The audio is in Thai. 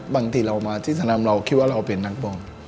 บางทีเรามาที่สนามเราคิดว่าเราเป็นนักบอล